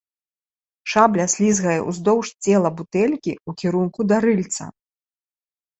Шабля слізгае ўздоўж цела бутэлькі ў кірунку да рыльца.